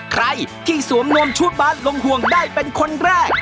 ใครที่สวมนวมชุดบาสลงห่วงได้เป็นคนแรก